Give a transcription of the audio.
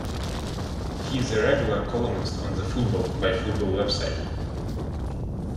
He is a regular columnist on the Football By Football website.